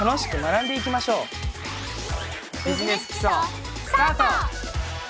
「ビジネス基礎」スタート！